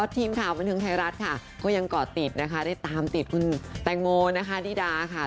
ทีมข่าวบรรทึงไทยรัฐก็ยังกอดติดได้ตามติดคุณแตงโมดีดา